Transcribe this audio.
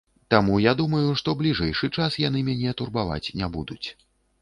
Таму я думаю, што бліжэйшы час яны мяне турбаваць не будуць.